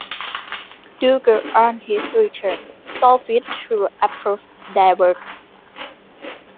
Dougal on his return saw fit to approve their work.